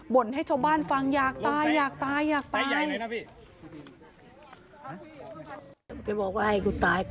่นให้ชาวบ้านฟังอยากตายอยากตายอยากตาย